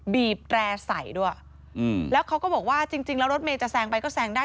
บีบแตร่ใส่ด้วยแล้วเขาก็บอกว่าจริงจริงแล้วรถเมย์จะแซงไปก็แซงได้